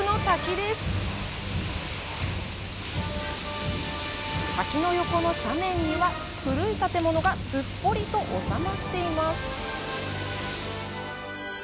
滝の横の斜面には、古い建物がすっぽりと収まっています。